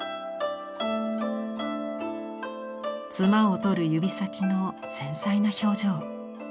褄を取る指先の繊細な表情。